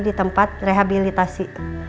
di tempat rehabilitasi